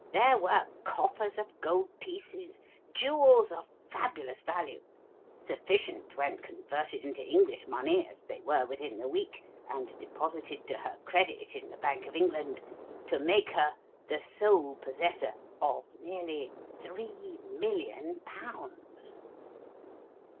There were coffers of gold pieces, jewels of fabulous value sufficient, when converted into English money, as they were within the week, and deposited to her credit in the Bank of England, to make her the sole possessor of nearly three million pounds."